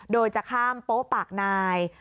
โดยจะข้ามโป๊ะปากนาย